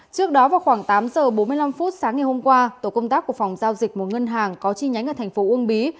trước đó vào khoảng tám giờ bốn mươi năm phút sáng ngày hôm qua tổ công tác của phòng giao dịch một ngân hàng có chi nhánh ở thành phố uông bí